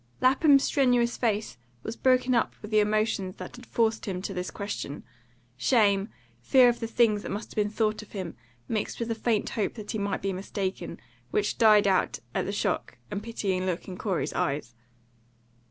XV. LAPHAM'S strenuous face was broken up with the emotions that had forced him to this question: shame, fear of the things that must have been thought of him, mixed with a faint hope that he might be mistaken, which died out at the shocked and pitying look in Corey's eyes.